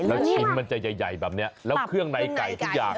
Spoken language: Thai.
แล้วชิ้นมันจะใหญ่แบบนี้แล้วเครื่องในไก่ทุกอย่าง